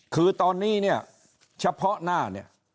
คือตอนนี้เนี่ยเฉพาะหน้าเนี่ย